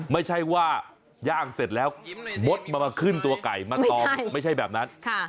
ไม่ใช่ว่าย่างเสร็จแล้วมดมันมาขึ้นตัวไก่มาตอมไม่ใช่แบบนั้น